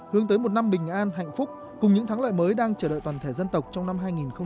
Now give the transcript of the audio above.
hướng tới một năm bình an hạnh phúc cùng những tháng lợi mới đang chờ đợi toàn thể dân tộc trong năm hai nghìn một mươi bảy